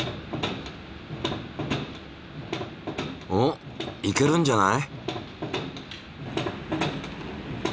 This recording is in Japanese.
おっいけるんじゃない？